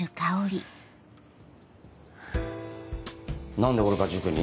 何で俺が塾に？